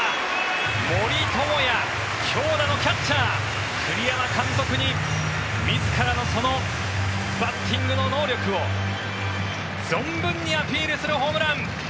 森友哉、強打のキャッチャー栗山監督に自らのバッティングの能力を存分にアピールするホームラン！